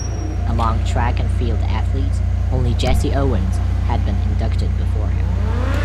Among track and field athletes, only Jesse Owens had been inducted before him.